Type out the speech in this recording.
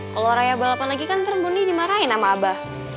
kalo raya balapan lagi kan ntar mondi dimarahin sama abah